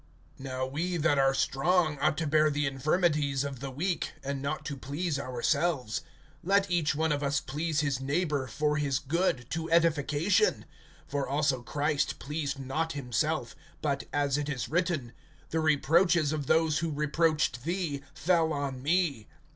NOW we that are strong ought to bear the infirmities of the weak, and not to please ourselves. (2)Let each one of us please his neighbor, for his good, to edification. (3)For also Christ pleased not himself; but, as it is written: The reproaches of those who reproached thee, fell on me.